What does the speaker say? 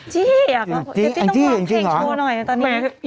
เจ๊อยากต้องการเพลงชัวร์หน่อยตอนนี้